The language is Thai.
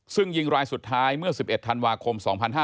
ซึ่งยิงรายสุดท้ายเมื่อ๑๑ธันวาคม๒๕๕๙